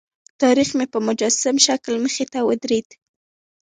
تاریخ مې په مجسم شکل مخې ته ودرېد.